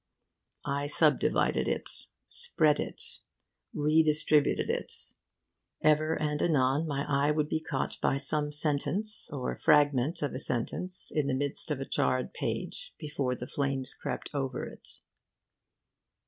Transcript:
I subdivided it, spread it, redistributed it. Ever and anon my eye would be caught by some sentence or fragment of a sentence in the midst of a charred page before the flames crept over it.